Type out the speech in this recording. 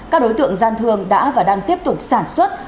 các đối tượng gian thương đã và đang tiếp tục sản xuất